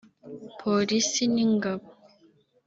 Polisi n’Ingabo